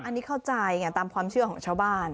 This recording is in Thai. อันนี้เข้าใจไงตามความเชื่อของชาวบ้าน